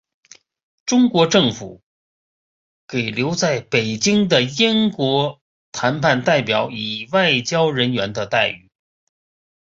中国政府给留在北京的英国谈判代表以外交人员的待遇。